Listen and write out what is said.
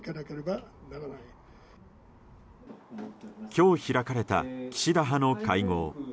今日開かれた岸田派の会合。